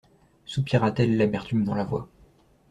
Soupira-t-elle l'amertume dans la voix.